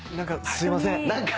すいません。